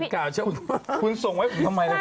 คุณส่งไว้เป็นใครล่ะ